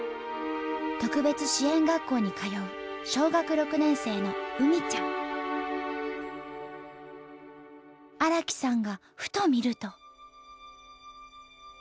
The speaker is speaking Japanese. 特別支援学校に通う小学６年生の荒木さんがふと見ると。